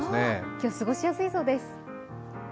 今日、過ごしやすいそうです